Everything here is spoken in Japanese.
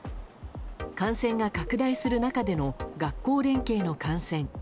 感染が拡大する中での学校連携の観戦。